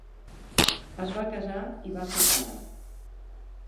Es va casar i va ser pare.